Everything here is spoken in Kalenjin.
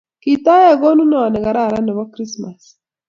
Kitayae konunot ne kararan nepo Krismas